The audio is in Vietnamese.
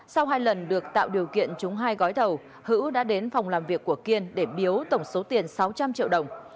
sau hai lần được tạo điều kiện trúng hai gói thầu hữu đã đến phòng làm việc của kiên để biếu tổng số tiền sáu trăm linh triệu đồng